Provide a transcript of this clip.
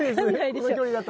この距離だと。